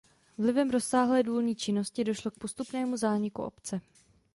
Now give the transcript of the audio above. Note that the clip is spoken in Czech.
Vlivem rozsáhlé důlní činnosti došlo k postupnému zániku obce.